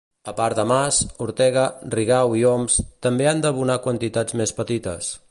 A part de Mas, Ortega, Rigau i Homs també han d'abonar quantitats més petites.